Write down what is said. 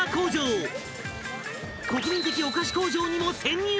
［国民的お菓子工場にも潜入！］